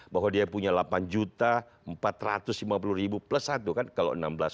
bahwa dia punya delapan empat ratus lima puluh plus satu